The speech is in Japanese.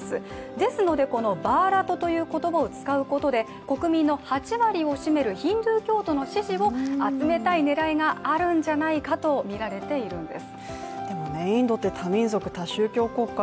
ですので、このバーラトという言葉を使うことで国民の８割を占めるヒンドゥー教徒の支持を集めたい狙いがあるんじゃないかといわれているんです。